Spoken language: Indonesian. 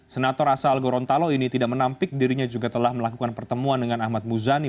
senator asal gorontalo ini tidak menampik dirinya juga telah melakukan pertemuan dengan ahmad muzani